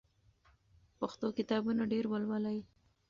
پښتو کتابونه ډېر ولولئ.